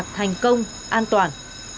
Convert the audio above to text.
thành công an toàn